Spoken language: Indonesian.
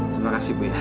terima kasih ibu ya